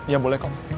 ya boleh kok